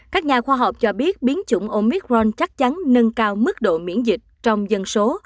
các nhà khoa học cho biết biến chủng omic ron chắc chắn nâng cao mức độ miễn dịch trong dân số